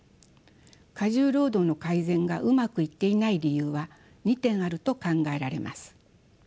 過重労働の改善がうまくいっていない理由は２点あると考えられます。